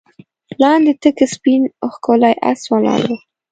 لاندې تک سپين ښکلی آس ولاړ و.